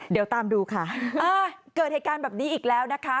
เดี๋ยวตามดูค่ะเกิดเหตุการณ์แบบนี้อีกแล้วนะคะ